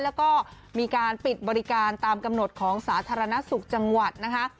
แล้วก็มีการปิดบริการตามกำหนดของสาธารณสุขจังหวัดนะคะ